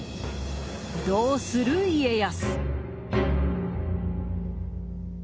どうする家康。